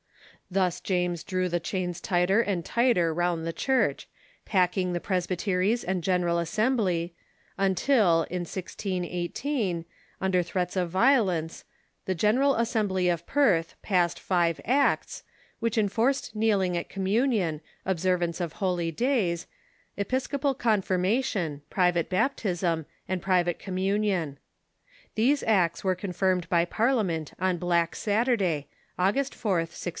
Thus James drew the chains tighter and tighter round the Church, packing the presbyteries and General Assembly, until, in 1618, under threats of violence, the General Assembly of Perth passed Five Acts, which enforced kneeling at communion, observance of holydays, episcopal confirmation, private baptism, and pri vate communion. These acts were confirmed by Parliament on Black Saturday, August 4th, 1621.